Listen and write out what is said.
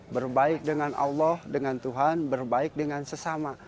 berbaik dengan allah dengan tuhan berbaik dengan sesama